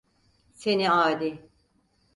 Seni adi!